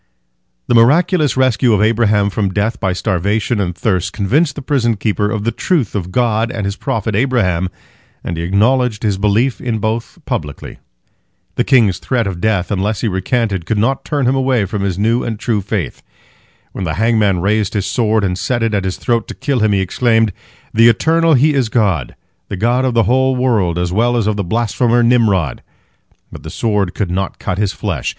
The miraculous rescue of Abraham from death by starvation and thirst convinced the prison keeper of the truth of God and His prophet Abraham, and he acknowledged his belief in both publicly. The king's threat of death unless he recanted could not turn him away from his new and true faith. When the hangman raised his sword and set it at his throat to kill him, he exclaimed, "The Eternal He is God, the God of the whole world as well as of the blasphemer Nimrod." But the sword could not cut his flesh.